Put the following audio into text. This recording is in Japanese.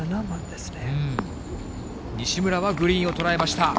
西村はグリーンを捉えました。